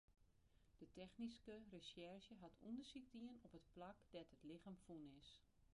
De technyske resjerzje hat ûndersyk dien op it plak dêr't it lichem fûn is.